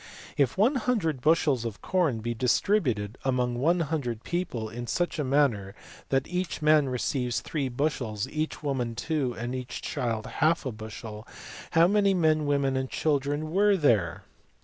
If one hundred bushels of corn be distributed among one hundred people in such a manner that each man receives three bushels, each woman two, and each child half a bushel: how many men, women and chil dren were there?